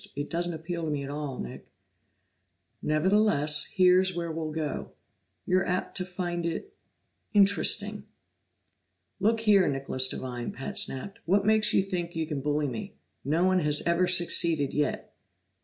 It doesn't appeal to me at all, Nick." "Nevertheless, here's where we'll go. You're apt to find it interesting." "Look here, Nicholas Devine!" Pat snapped, "What makes you think you can bully me? No one has ever succeeded yet!"